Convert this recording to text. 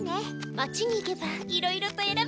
町に行けばいろいろとえらべるわ。